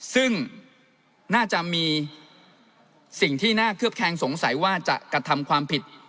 ซึ่งน่าจะมีสิ่งที่น่าเคลือบแคงสงสัยว่าจะกระทำความผิด